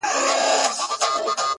ږيره زما، اختيار ئې د قاضي غلام.